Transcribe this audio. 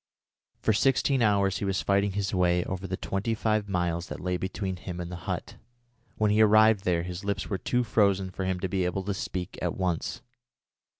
For sixteen hours he was fighting his way over the twenty five miles that lay between him and the hut. When he arrived there his lips were too frozen for him to be able to speak at once.